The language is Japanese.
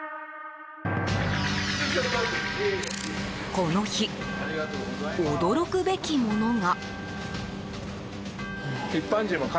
この日、驚くべきものが。